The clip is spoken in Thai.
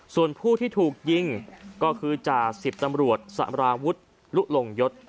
ส่วนผู้ที่ถูกยิงก็คือจ่าสิบตำรวจสาราวุฒิลุลงยศ